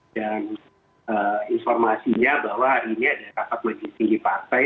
dan informasinya bahwa hari ini ada rapat majelis tinggi partai